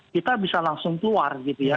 kita bisa langsung keluar gitu ya